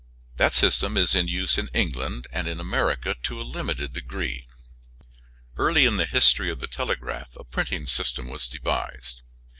The system is in use in England and in America to a limited degree. Early in the history of the telegraph a printing system was devised.